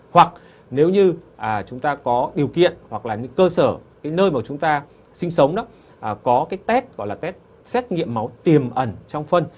hoặc nếu như chúng ta có điều kiện hoặc là những cơ sở cái nơi mà chúng ta sinh sống đó có cái test gọi là test xét nghiệm máu tiềm ẩn trong phân